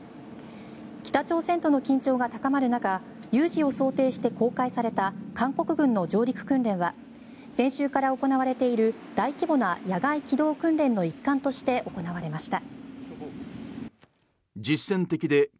北朝鮮との緊張が高まる中有事を想定して公開された韓国軍の上陸訓練は先週から行われている大規模な野外機動訓練の一環として行われました。